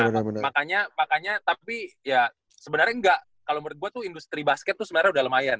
nah makanya makanya tapi ya sebenarnya enggak kalau menurut gue tuh industri basket tuh sebenarnya udah lumayan